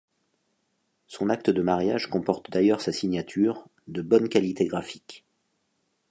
Son acte de mariage comporte d'ailleurs sa signature, de bonne qualité graphique.